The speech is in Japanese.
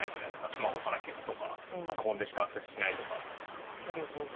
スマホから消すとかパソコンでしかアクセスしないとか。